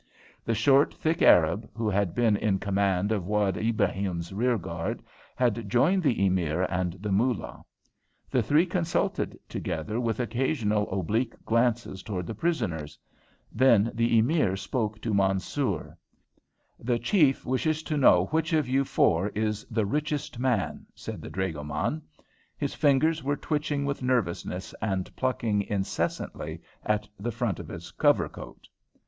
The short, thick Arab, who had been in command of Wad Ibrahim's rearguard, had joined the Emir and the Moolah; the three consulted together, with occasional oblique glances towards the prisoners. Then the Emir spoke to Mansoor. "The chief wishes to know which of you four is the richest man?" said the dragoman. His fingers were twitching with nervousness and plucking incessantly at the front of his cover coat.